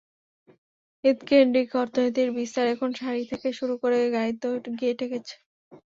ঈদকেন্দ্রিক অর্থনীতির বিস্তার এখন শাড়ি থেকে শুরু করে গাড়িতে গিয়েও ঠেকেছে।